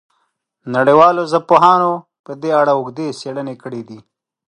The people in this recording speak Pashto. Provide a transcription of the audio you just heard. نړیوالو ژبپوهانو په دې اړه اوږدې څېړنې کړې دي.